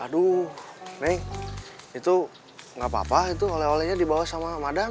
aduh neng itu gak apa apa itu oleh olehnya dibawa sama madam